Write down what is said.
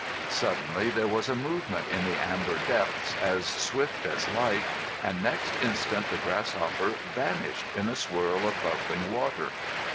Suddenly there was a movement in the amber depths as swift as light, and next instant the grasshopper vanished in a swirl of bubbling water.